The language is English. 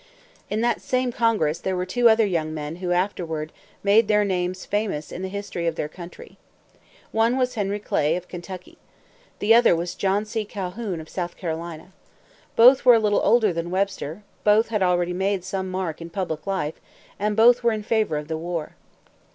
In that same Congress there were two other young men who afterwards made their names famous in the history of their country. One was Henry Clay, of Kentucky. The other was John C. Calhoun, of South Carolina. Both were a little older than Webster; both had already made some mark in public life; and both were in favor of the war.